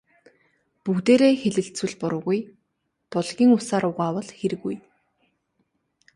Бүгдээрээ хэлэлцвэл буруугүй, булгийн усаар угаавал хиргүй.